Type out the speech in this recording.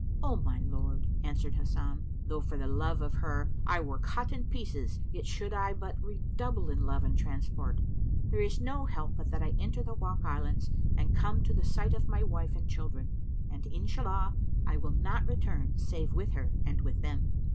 "O my lord," answered Hasan, though for the love of her I were cut in pieces yet should I but redouble in love and transport! There is no help but that I enter the Wak Islands and come to the sight of my wife and children; and Inshallah, I will not return save with her and with them."